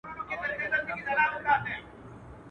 خدای ئې کوي، خو شولي بې اوبو نه کېږي.